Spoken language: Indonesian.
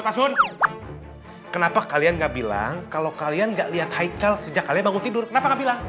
ustadz kenapa kalian gak bilang kalau kalian gak lihat haikal sejak kalian bangun tidur kenapa gak bilang